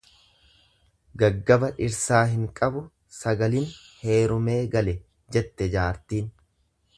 Gaggaba dhirsaa hin qabu, sagalin heerumee gale, jette jaartiin.